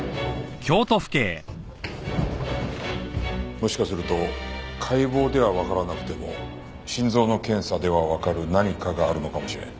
もしかすると解剖ではわからなくても心臓の検査ではわかる何かがあるのかもしれん。